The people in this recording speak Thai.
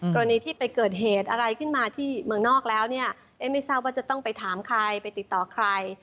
กรณีที่ไปเกิดเหตุอะไรขึ้นมาที่เมืองนอกแล้วเนี่ยเอ๊ะไม่ทราบว่าจะต้องไปถามใครไปติดต่อใคร